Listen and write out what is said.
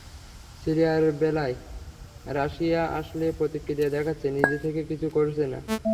সিরিয়ার বেলায় রাশিয়া আসলে প্রতিক্রিয়া দেখাচ্ছে, নিজে থেকে কিছু করছে না।